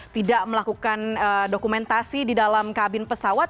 tidak melakukan dokumentasi di dalam kabin pesawat